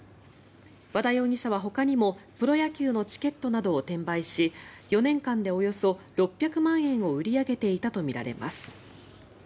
和田容疑者はほかにもプロ野球のチケットなどを転売し４年間でおよそ６００万円を売り上げていたとみられます。